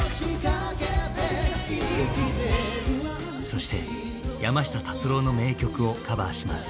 そして山下達郎の名曲をカバーします。